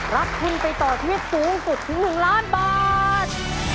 รับทุนไปต่อชีวิตสูงสุดถึง๑ล้านบาท